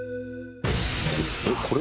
えっこれ？